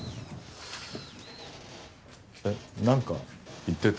えっなんか言ってた？